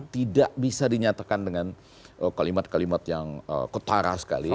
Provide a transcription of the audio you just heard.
tidak bisa dinyatakan dengan kalimat kalimat yang ketara sekali